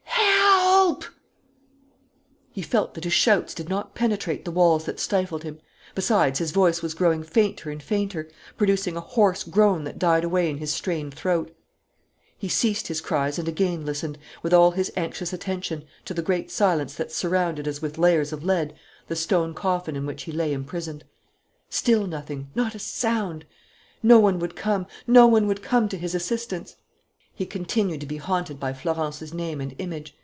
Help!" He felt that his shouts did not penetrate the walls that stifled him. Besides, his voice was growing fainter and fainter, producing a hoarse groan that died away in his strained throat. He ceased his cries and again listened, with all his anxious attention, to the great silence that surrounded as with layers of lead the stone coffin in which he lay imprisoned. Still nothing, not a sound. No one would come, no one could come to his assistance. He continued to be haunted by Florence's name and image.